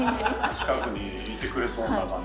近くにいてくれそうな感じが。